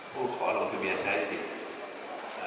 ผู้ขอลงทะเบียนใช้สิทธิ์